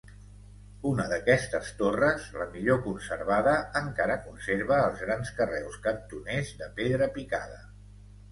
Una d'aquestes torres, la millor conservada, encara conserva els grans carreus cantoners de pedra picada.